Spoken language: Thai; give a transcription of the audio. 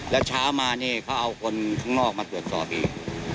แล้วเช้ามานี่เขาเอาคนข้างนอกมาตรวจสอบอีก